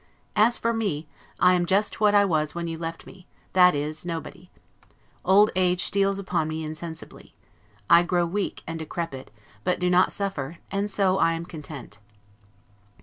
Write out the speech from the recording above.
As for me, I am just what I was when you left me, that is, nobody. Old age steals upon me insensibly. I grow weak and decrepit, but do not suffer, and so I am content.